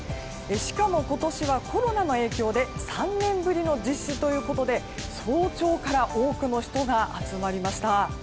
しかも今年はコロナの影響で３年ぶりの実施ということで早朝から多くの人が集まりました。